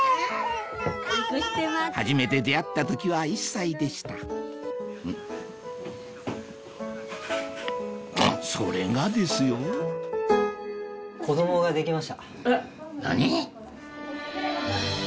初めて出会った時は１歳でしたそれがですよ何？